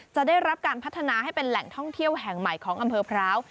จะได้รับการพัฒนาให้เป็นแหล่งท่องเที่ยวแห่งใหม่ของอำเภอพร้าว